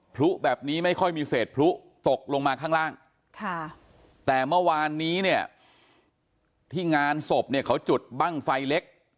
พลุแบบนี้ไม่ค่อยมีเศษพลุตกลงมาข้างล่างแต่เมื่อวานนี้เนี่ยที่งานศพเนี่ยเขาจุดบ้างไฟเล็ก